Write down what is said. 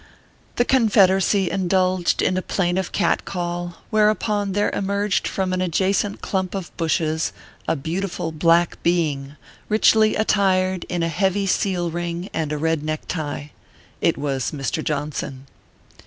The Confederacy indulged in a plaintive cat call, whereupon there emerged from an adjacent clump of bushes a beautiful black being, richly attired in a heavy seal ring and a red neck tie. It was Mr. Johnson.